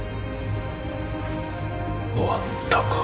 終わったか。